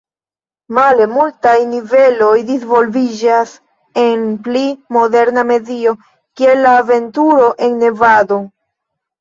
Male multaj niveloj disvolviĝas en pli moderna medio, kiel la aventuro en Nevado.